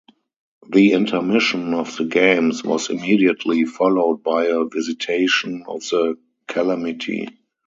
The intermission of the games was immediately followed by a visitation of the calamity.